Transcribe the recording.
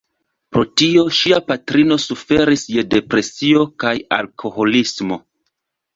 Pro tio, ŝia patrino suferis je depresio kaj alkoholismo.